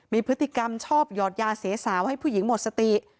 มีพฤติกรรมชอบหยอดยาเสียสาวให้ผู้หญิงหมดสติ